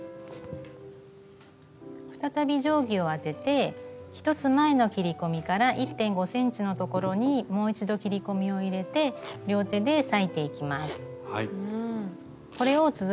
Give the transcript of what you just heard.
再び定規を当てて１つ前の切り込みから１．５ｃｍの所にもう一度切り込みを入れて両手で裂いていきます。